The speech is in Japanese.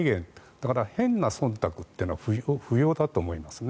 だから変なそんたくは不要だと思いますね。